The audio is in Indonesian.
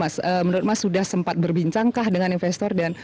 sempat berbincangkah dengan investor dan